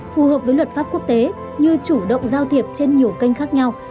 phù hợp với luật pháp quốc tế như chủ động giao thiệp trên nhiều kênh khác nhau